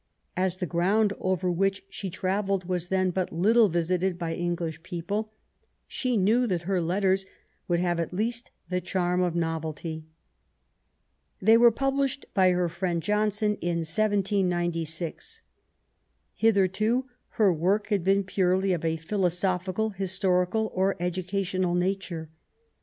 As the ground over which she travelled was then but little visited by English people, she knew that her letters would have at least the charm of novelty. They were published by her friend Johnson in 1796. Hitherto, her work had been purely of a philosophical, historical, or educational nature.